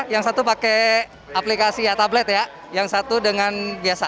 yang satu pakai aplikasi ya tablet ya yang satu dengan biasa